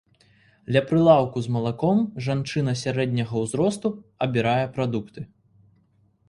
Ля прылаўку з малаком жанчына сярэдняга ўзросту абірае прадукты.